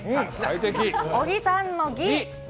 小木さんの「ぎ」！